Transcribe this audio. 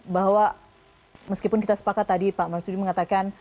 bahwa meskipun kita sepakat tadi pak marsudi mengatakan